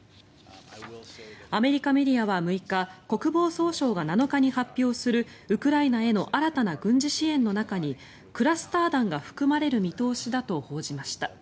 アメリカメディアは６日国防総省が７日に発表するウクライナへの新たな軍事支援の中にクラスター弾が含まれる見通しだと報じました。